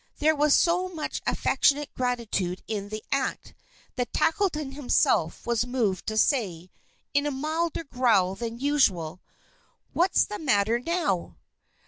There was so much affectionate gratitude in the act, that Tackleton himself was moved to say, in a milder growl than usual: "What's the matter now?"